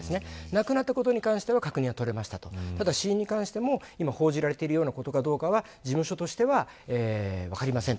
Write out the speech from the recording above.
亡くなったことに関しては確認が取れたけど死因に関しては報じられていることが本当かどうか事務所とは分かりません。